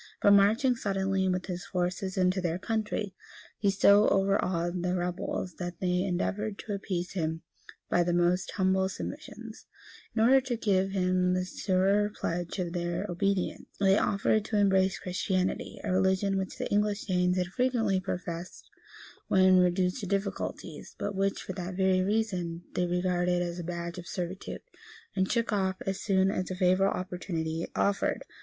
But marching suddenly with his forces into their country, he so overawed the rebels that they endeavored to appease him by the most humble submissions.[*] [* W. Malms, lib. ii. cap. 7. Brompton, p 857.] In order to give him the surer pledge of their obedience, they offered to embrace Christianity; a religion which the English Danes had frequently professed, when reduced to difficulties, but which, for that very reason, they regarded as a badge of servitude, and shook off as soon as a favorable opportunity offered.